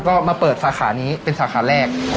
ก็มาเปิดสาขานี้เป็นสาขาแรก